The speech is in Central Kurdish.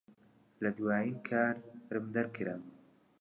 لە دوایین کارم دەرکرام.